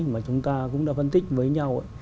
mà chúng ta cũng đã phân tích với nhau